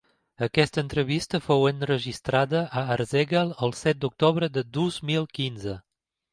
Aquesta entrevista fou enregistrada a Arsèguel el set d'octubre de dos mil quinze.